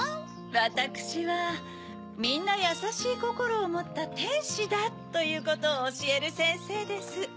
わたくしはみんなやさしいこころをもったてんしだということをおしえるせんせいです。